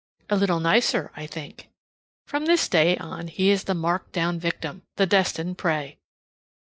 (A little nicer, I think.) From this day on he is the marked down victim, the destined prey.